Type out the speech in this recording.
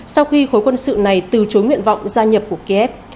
sau khi khối quân sự này từ chối nguyện vọng gia nhập của kiev